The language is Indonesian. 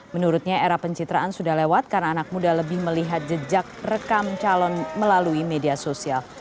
menurutnya era pencitraan sudah lewat karena anak muda lebih melihat jejak rekam calon melalui media sosial